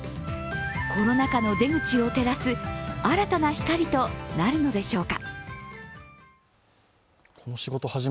コロナ禍の出口を照らす新たな光となるのでしょうか。